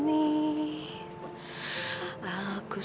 nishtaya dia akan merasa terhibur